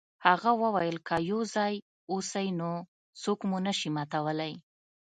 هغه وویل که یو ځای اوسئ نو څوک مو نشي ماتولی.